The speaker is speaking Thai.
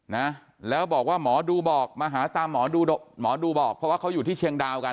นะแล้วบอกว่าหมอดูบอกมาหาตามหมอดูหมอดูบอกเพราะว่าเขาอยู่ที่เชียงดาวกัน